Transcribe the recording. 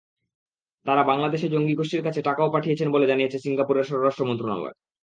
তাঁরা বাংলাদেশে জঙ্গিগোষ্ঠীর কাছে টাকাও পাঠিয়েছেন বলে জানিয়েছে সিঙ্গাপুরের স্বরাষ্ট্র মন্ত্রণালয়।